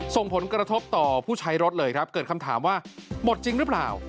ส่งผลกระทบต่อผู้ใช้รถเลยครับเกิดคำถามว่าหมดจริงหรือเปล่า